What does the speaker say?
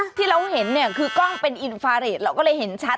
ที่เราเห็นเนี่ยคือกล้องเป็นอินฟาเรทเราก็เลยเห็นชัด